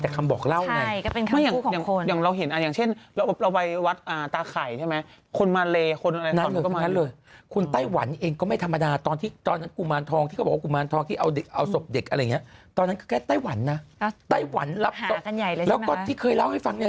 ส่างชาติแต่อยากรู้ว่าชาติหน้านี้เขานิยมมากที่สุด